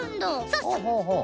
そうそう。